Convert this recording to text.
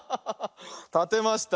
たてました。